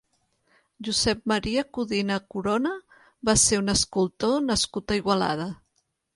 Josep Maria Codina Corona va ser un escultor nascut a Igualada.